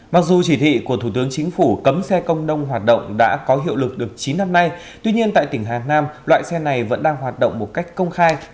mặc dù chỉ thị của thủ tướng chính phủ cấm xe công nông hoạt động đã có hiệu lực được chín năm nay tuy nhiên tại tỉnh hà nam loại xe này vẫn đang hoạt động một cách công khai